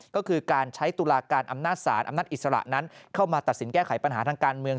ก็คือการใช้ตุลาการอำนาจศาลอำนาจอิสระนั้นเข้ามาตัดสินแก้ไขปัญหาทางการเมือง